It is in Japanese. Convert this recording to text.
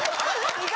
意外！